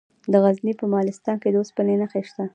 د غزني په مالستان کې د اوسپنې نښې شته.